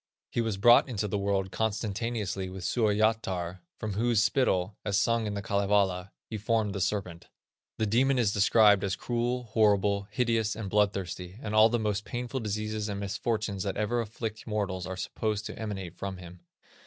He was brought into the world consentaneously with Suoyatar, from whose spittle, as sung in The Kalevala, he formed the serpent. This demon is described as cruel, horrible, hideous, and bloodthirsty, and all the most painful diseases and misfortunes that ever afflict mortals are supposed to emanate from him.